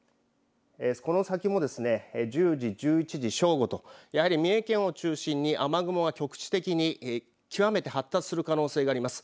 この先もですね１０時、１１時、正午とやはり三重県を中心に雨雲が局地的に極めて発達する可能性があります。